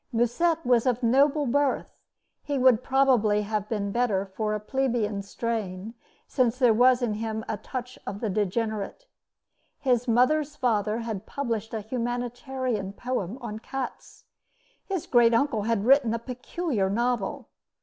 Musset was of noble birth. He would probably have been better for a plebeian strain, since there was in him a touch of the degenerate. His mother's father had published a humanitarian poem on cats. His great uncle had written a peculiar novel.